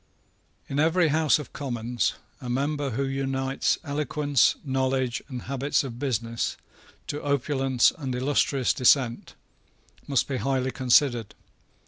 In every House of Commons, a member who unites eloquence, knowledge, and habits of business, to opulence and illustrious descent, must be highly considered.